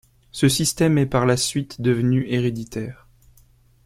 Ce système est par la suite devenu héréditaire.